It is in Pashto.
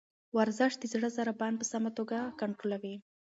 ورزش د زړه ضربان په سمه توګه کنټرولوي.